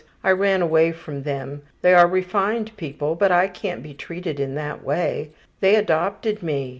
I ran away from them. They are refined people. But I can't be treated in that way. They adopted me.